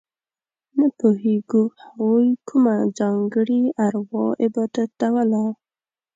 نه پوهېږو هغوی کومه ځانګړې اروا عبادتوله.